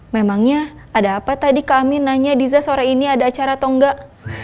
memangnya ada apa tadi kami nanya diza sore ini ada acara atau enggak